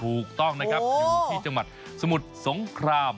ถูกต้องนะครับอยู่ที่จังหวัดสมุทรสงคราม